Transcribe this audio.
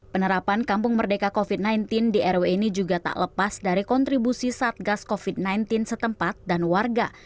penerapan kampung merdeka covid sembilan belas di rw ini juga tak lepas dari kontribusi satgas covid sembilan belas setempat dan warga